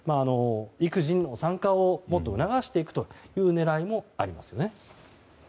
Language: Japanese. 育児への参加をもっと促していくという狙いもありますね。